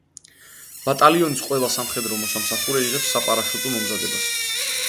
ბატალიონის ყველა სამხედრო მოსამსახურე იღებს საპარაშუტო მომზადებას.